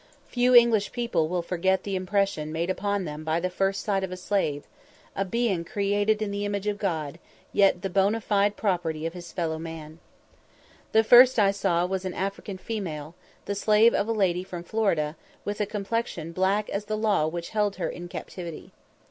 Few English people will forget the impression made upon them by the first sight of a slave a being created in the image of God, yet the boná fide property of his fellow man. The first I saw was an African female, the slave of a lady from Florida, with a complexion black as the law which held her in captivity.